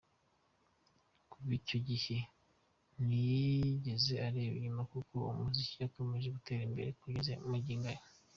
Kuva icyo gihe ntiyigeze areba inyuma, kuko umuziki wakomeje gutera imbere kugeza magingo aya.